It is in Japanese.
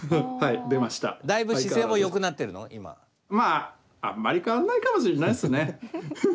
まああんまり変わんないかもしんないっすね。